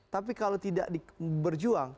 tapi kalau tidak berjuang